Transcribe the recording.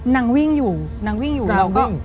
นางวิ่งอยู่เราก็